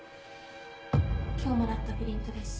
今日もらったプリントです